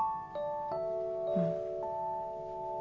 うん。